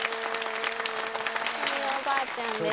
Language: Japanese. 架純おばあちゃんです。